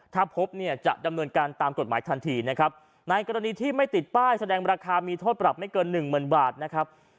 ถ้าพบเนี่ยจะดำเนินการตามกฎหมายทันทีนะครับในกรณีที่ไม่ติดป้ายแสดงราคามีโทษปรับไม่เกินหนึ่งหมื่นบาทนะครับ